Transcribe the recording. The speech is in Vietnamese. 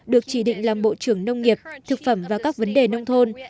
được chỉ định làm bộ trưởng nông nghiệp thực phẩm và các vấn đề nông thôn